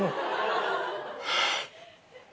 ハァ。